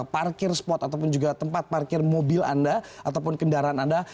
parkir spot ataupun juga tempat parkir mobil anda ataupun kendaraan anda